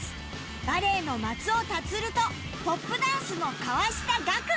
バレエの松尾龍とポップダンスの河下楽